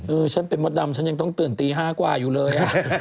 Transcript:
ฉันเป็นมดดำฉันยังต้องตื่นตี๕กว่าอยู่เลย